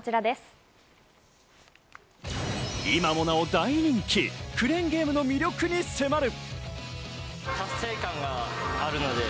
今もなお大人気、クレーンゲームの魅力に迫る！